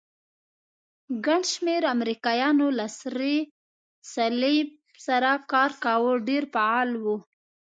ګڼ شمېر امریکایانو له سرې صلیب سره کار کاوه، ډېر فعال وو.